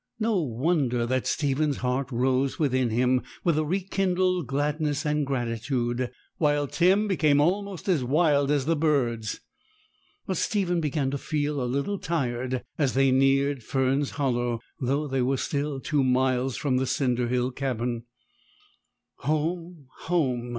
No wonder that Stephen's heart rose within him with a rekindled gladness and gratitude; while Tim became almost as wild as the birds. But Stephen began to feel a little tired as they neared Fern's Hollow, though they were still two miles from the cinder hill cabin. 'Home, home!'